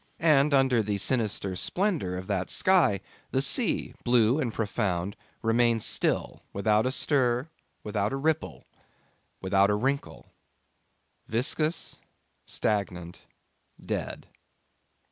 And under the sinister splendour of that sky the sea, blue and profound, remained still, without a stir, without a ripple, without a wrinkle viscous, stagnant, dead.